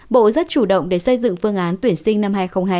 bộ rất chủ động để xây dựng phương án tuyển sinh năm hai nghìn hai mươi